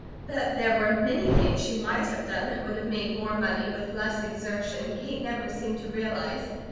That there were many things she might have done that would have made more money with less exertion Kate never seemed to realize.